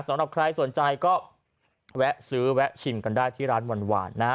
สำหรับใครสนใจก็แวะซื้อแวะชิมกันได้ที่ร้านหวานนะฮะ